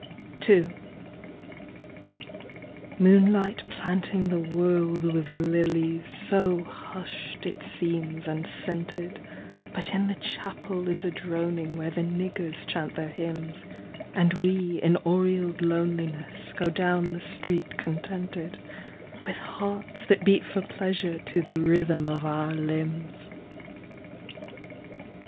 II. Moonlight planting the world with lilies, so hushed it seems and scented, But in the chapel is a droning where the niggers chant their hymns And we in aureoled loneliness go down the street contented, With hearts that beat for pleasure to the rhythm of our limbs.